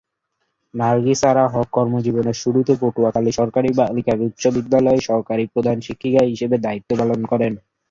নার্গিস আরা হক কর্মজীবনের শুরুতে পটুয়াখালী সরকারী বালিকা উচ্চ বিদ্যালয়ে সহকারী প্রধান শিক্ষিকা হিসেবে দায়িত্ব পালন করেন।